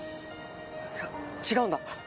いや違うんだ！